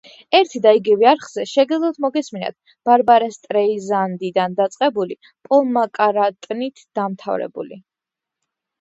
ერთი და იგივე არხზე შეგეძლოთ მოგესმინათ ბარბარა სტრეიზანდიდან დაწყებული, პოლ მაკარტნით დამთავრებული.